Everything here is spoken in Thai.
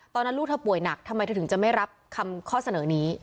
ตอนนั้นลูกเธอป่วยหนักทำไมเธอถึงจะไม่รับคำข้อเสนอนี้